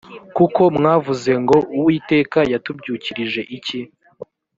kuko mwavuze ngo “uwiteka yatubyukirije iki?”